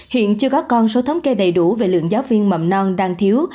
hiện chưa có con số thống kê đầy đủ về lượng giáo viên mầm non đang thiếu